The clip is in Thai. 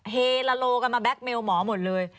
เฮลาโลกันมาแก๊กเมลหมอหมดเลย